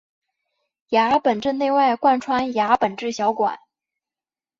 牙本质内外贯穿牙本质小管。